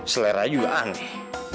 selera juga aneh